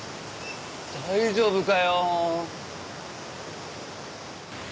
大丈夫かよ。